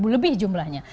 enam lebih jumlahnya